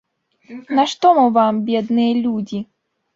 Нашто мы вам, бедныя людзі?